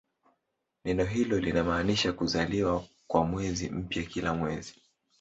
Neno hilo linamaanisha "kuzaliwa" kwa mwezi mpya kila mwezi.